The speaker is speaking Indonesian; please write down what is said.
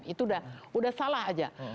itu udah salah aja